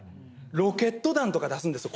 ロケット弾とか出すんですよ